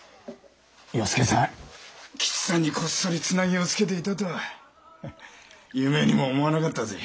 与助さん吉さんにこっそりつなぎをつけていたとは夢にも思わなかったぜ。